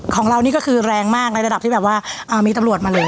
ของเรานี่ก็คือแรงมากในระดับที่แบบว่ามีตำรวจมาเลย